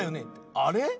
あれ？